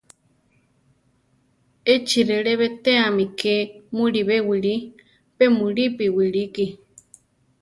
Échi relé betéami ke mulibé wilí; pe mulípi wilíki.